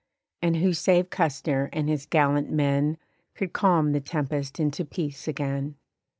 And who save Custer and his gallant men Could calm the tempest into peace again?